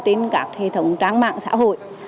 trên các hệ thống trang mạng xã hội